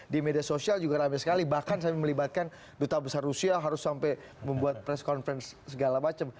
di media sosial juga ramai sekali bahkan sampai melibatkan duta besar rusia harus sampai membuat press conference segala macam